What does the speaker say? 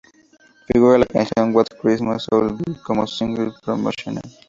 Figura la canción "What Christmas Should Be" como single promocional.